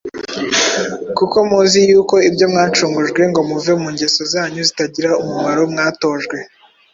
kuko muzi yuko ibyo mwacungujwe ngo muve mu ngeso zanyu zitagira umumaro mwatojwe